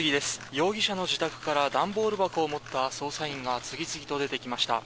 容疑者の自宅から段ボール箱を持った捜査員が次々と出てきました。